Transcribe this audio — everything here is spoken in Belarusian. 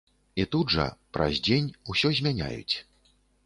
І тут жа, праз дзень, усё змяняюць.